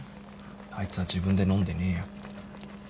あいつは自分で飲んでねえよ。